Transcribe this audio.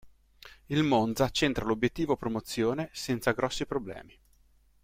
Il Monza centra l'obiettivo promozione senza grossi problemi.